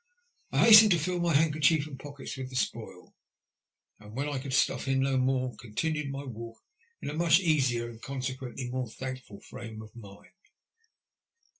I hastened to fill my handkerchief and pockets with the spoil, and when I could stuff in no more, continued my walk in a much easier, and consequently more thankful, frame of mind.